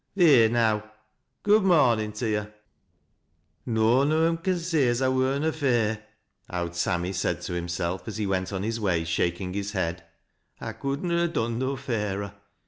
Theer now I Good morn in' to yo' !"" Noan on 'em con say as I wur na fair," " Owd Sam my " said to himself, as he went on his way shaking his head, " I could na ha' done no fairer.